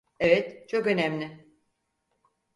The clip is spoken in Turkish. Evet, çok önemli.